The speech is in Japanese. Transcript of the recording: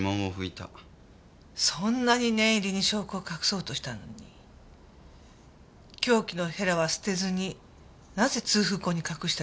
そんなに念入りに証拠を隠そうとしたのに凶器のへらは捨てずになぜ通風口に隠したりしたの？